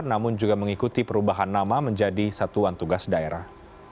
namun juga mengikuti perubahan nama menjadi satuan tugas daerah